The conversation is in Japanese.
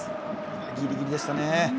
ギリギリでしたね。